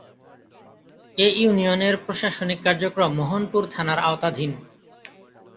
এ ইউনিয়নের প্রশাসনিক কার্যক্রম মোহনপুর থানার আওতাধীন।